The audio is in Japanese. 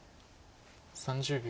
３０秒。